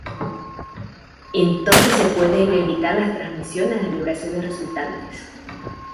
Entonces se pueden evitar las transmisión de las vibraciones resultantes.